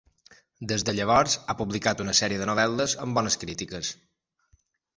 Des de llavors, ha publicat una sèrie de novel·les amb bones crítiques.